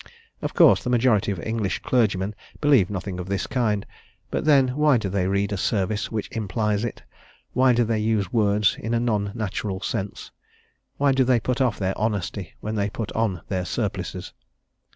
Of course, the majority of English clergymen believe nothing of this kind; but then why do they read a service which implies it? Why do they use words in a non natural sense? Why do they put off their honesty when they put on their surplices?